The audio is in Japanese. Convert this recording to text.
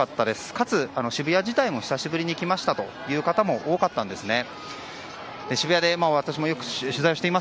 かつ、渋谷自体も久しぶりに来たという方も多かったんですね。